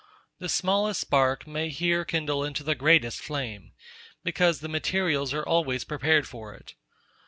The smallest spark may here kindle into the greatest flame; because the materials are always prepared for it.